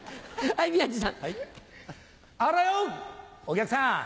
お客さん